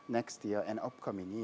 pada tahun depan dan tahun depan